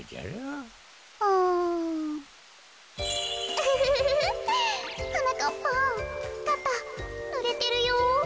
ウフフフはなかっぱんかたぬれてるよ。